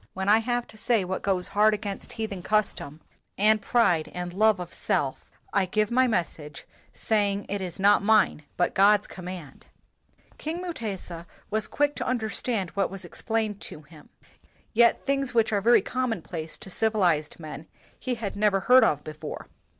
When I have to say what goes hard against heathen custom and pride and love of self, I give my message, saying it is not mine but God's command." King Mutesa was quick to understand what was explained to him ; yet things which are very commonplace to civilized men he had never heard of before.